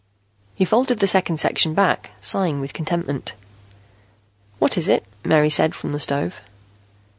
He folded the second section back, sighing with contentment. "What is it?" Mary said, from the stove.